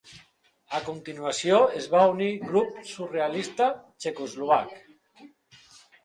A continuació es va unir Grup Surrealista Txecoslovac.